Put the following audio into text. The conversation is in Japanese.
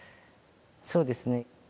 そうですね